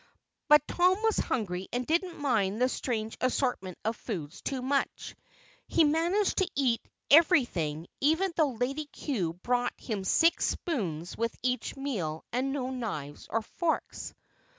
But Tom was hungry and didn't mind the strange assortment of foods too much. He managed to eat everything even though Lady Cue brought him six spoons with each meal and no knives or forks.